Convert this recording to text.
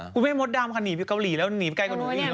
กูไม่มดดำค่ะหนีไปเกาหลีแล้วหนีไปใกล้กว่าหนู